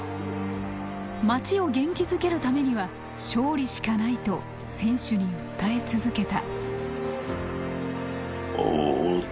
町を元気づけるためには勝利しかないと選手に訴え続けた。